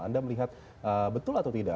anda melihat betul atau tidak